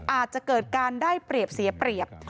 อาจจะเกิดการได้เปรียบเสียเปรียบ